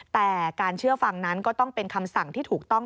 แต่การเชื่อฟังนั้นก็ต้องเป็นคำสั่งที่ถูกต้อง